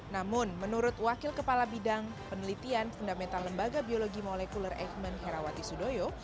namun menurut wakil kepala bidang penelitian fundamental lembaga biologi molekuler eijkman herawati sudoyo